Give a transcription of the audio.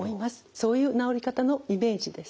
そういう治り方のイメージです。